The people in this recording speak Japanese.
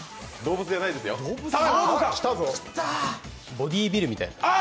ボディービルみたいな。